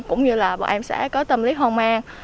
cũng như là bọn em sẽ có tâm lý hoang mang